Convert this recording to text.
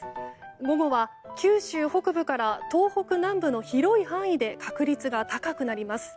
午後は九州北部から東北南部の広い範囲で確率が高くなります。